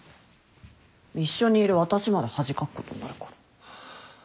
一緒にいる私まで恥かくことになるから。